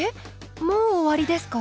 もう終わりですか？